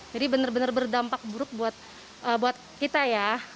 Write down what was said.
jadi benar benar berdampak buruk buat kita ya